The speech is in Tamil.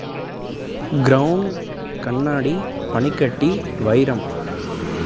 கிரெளன் கண்ணாடி பனிக்கட்டி வைரம்